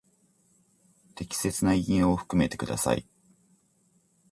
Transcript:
適切な引用を含めてください。